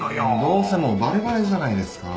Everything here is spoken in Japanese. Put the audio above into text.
どうせもうバレバレじゃないですか。